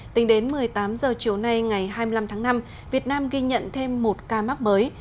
tính đến một mươi tám h chiều nay ngày hai mươi năm tháng năm việt nam ghi nhận thêm một ca mắc mới